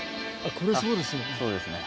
これそうですよね。